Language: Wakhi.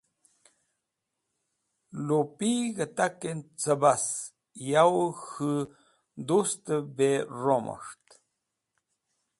Lupig̃h gutaken cebas Yowey K̃hu Dustev be Romos̃ht